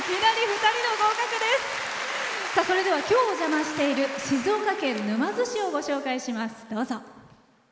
それでは今日、お邪魔している静岡県沼津市をご紹介します。